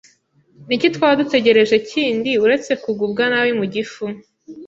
ni iki twaba dutegereje kindi uretse kugubwa nabi mu gifu?